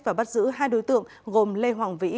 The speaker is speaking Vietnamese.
và bắt giữ hai đối tượng gồm lê hoàng vĩ